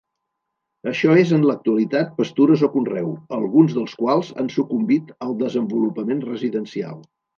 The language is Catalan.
Això és en l'actualitat pastures o conreu, alguns dels quals han sucumbit al desenvolupament residencial.